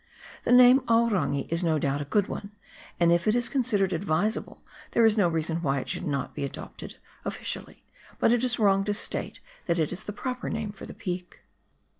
The name "Aorangi" is no doubt a good one, and if it is considered advisable there is no reason why it should not be adopted officially; but it is wrong to state that it is the proper name for the peak.